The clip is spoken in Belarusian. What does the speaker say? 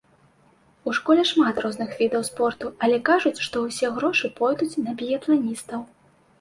У школе шмат розных відаў спорту, але кажуць, што ўсе грошы пойдуць на біятланістаў.